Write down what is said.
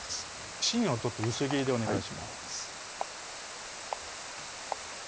芯を取って薄切りでお願いします